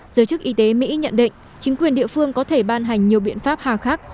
giới chức y tế mỹ nhận định chính quyền địa phương có thể ban hành nhiều biện pháp hà khắc